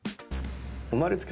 生まれつき。